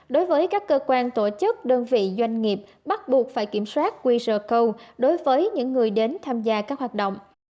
đối với các cơ quan tổ chức đơn vị doanh nghiệp bắt buộc phải kiểm soát quý rờ câu đối với những người đến tham gia các hoạt động